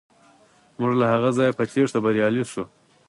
موږ له هغه ځایه په تیښته بریالي شو.